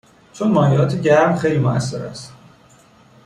چون مایعات گرم خیلی موثر است